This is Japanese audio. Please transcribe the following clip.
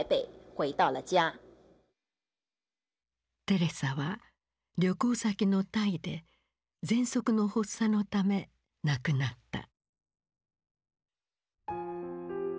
テレサは旅行先のタイでぜんそくの発作のため亡くなった。